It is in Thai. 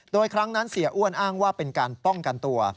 โดยครั้งนั้นเสียอ้วนอ้างว่าเป็นการป้องกันตัว